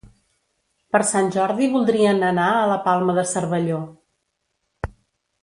Per Sant Jordi voldrien anar a la Palma de Cervelló.